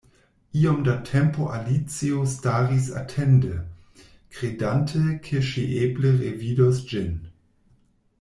Iom da tempo Alicio staris atende, kredante ke ŝi eble revidos ĝin.